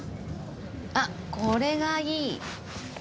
あっこれがいい！